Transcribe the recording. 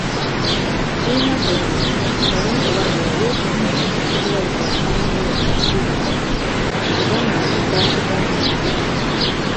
Sirina gwe ntumye naye nkulabula weesonyiwe omuntu gwe bayita Simeo Nsubuga, togamba nti saakugamba.